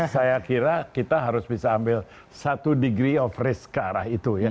saya kira kita harus bisa ambil satu degree of risk ke arah itu ya